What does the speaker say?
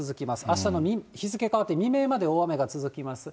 あしたの日付変わって未明まで大雨が続きます。